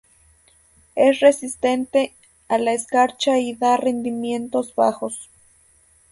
Es resistente a la escarcha y da rendimientos bajos.